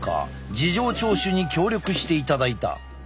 事情聴取に協力していただいた。